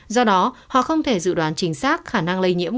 do đó họ không thể dự đoán chính xác khả năng lây nhiễm